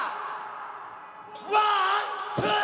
ワンツー。